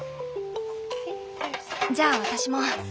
じゃあ私も。